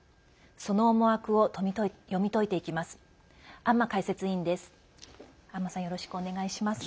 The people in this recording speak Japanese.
その思惑を読み解いていきます。